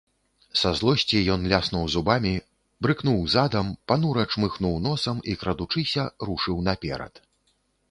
Са злосці ён ляснуў зубамі, брыкнуў задам, панура чмыхнуў носам і, крадучыся, рушыў наперад.